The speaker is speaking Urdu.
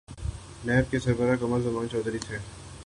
نیب کے سربراہ قمر زمان چوہدری تھے۔